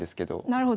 なるほど。